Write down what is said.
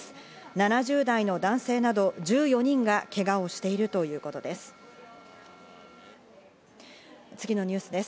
７０代の男性など１４人がけがをしているということです。